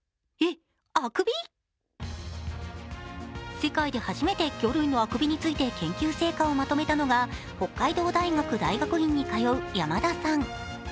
世界で初めて魚類のあくびについて研究成果をまとめたのが北海道大学大学院に通う山田さん。